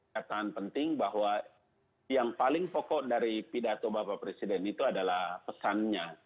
kataan penting bahwa yang paling pokok dari pidato bapak presiden itu adalah pesannya